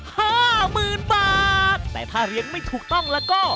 ห้าหมื่นบาทแต่ถ้าเรียนไม่ถูกต้องแล้วก็